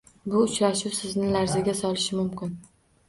Bu uchrashuv Sizni larzaga solishi mumkin